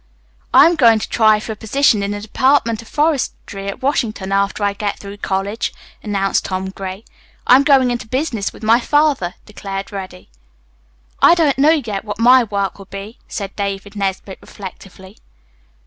"I'm going to try for a position in the Department of Forestry at Washington after I get through college," announced Tom Gray. "I'm going into business with my father," declared Reddy. "I don't know yet what my work will be," said David Nesbit reflectively.